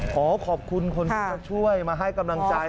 ขอขอบคุณคนที่มาช่วยมาให้กำลังใจ